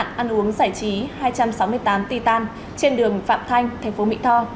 công ty trách nhiệm hữu hạ ăn uống giải trí hai trăm sáu mươi tám titan trên đường phạm thanh thành phố mỹ tho